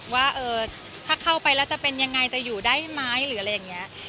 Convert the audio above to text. ว่าถ้าเข้าไปแล้วจะเป็นยังไงจะอยู่ได้ไหมหรืออะไรอย่างนี้